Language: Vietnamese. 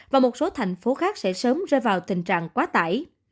và một số thành phố khác sẽ sớm rơi vào tình trạng quá tải